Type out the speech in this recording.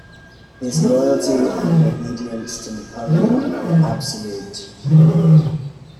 His loyalty and obedience to Napoleon were absolute.